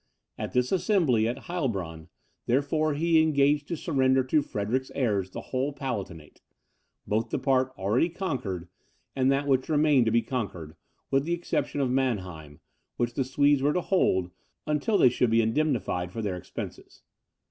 At this assembly, at Heilbronn, therefore, he engaged to surrender to Frederick's heirs the whole Palatinate, both the part already conquered, and that which remained to be conquered, with the exception of Manheim, which the Swedes were to hold, until they should be indemnified for their expenses.